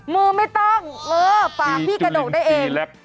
มือไม่ต้องเออปากพี่กระโดดได้เอง